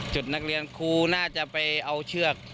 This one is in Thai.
จุดนักเรียนครูน่าจะไปเอาเชือก